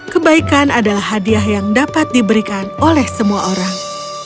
kebaikan adalah hadiah yang dapat diberikan oleh semua orang